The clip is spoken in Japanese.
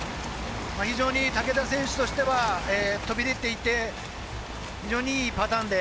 竹田選手としては飛び出ていて非常にいいパターンで